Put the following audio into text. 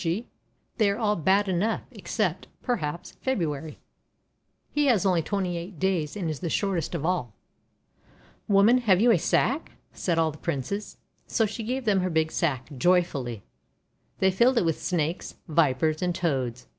418 THE WONDER GARDEN 'They are all bad enough, except, perhaps, February; he has only twenty eight days and is the shortest of all!' 'Woman, have you a sack?' said all the Princes. So she gave them her big sack, joyfully. They filled it with Snakes, Vipers, and Toads.